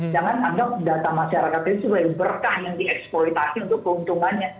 jangan anggap data masyarakat itu sebagai berkah yang dieksploitasi untuk keuntungannya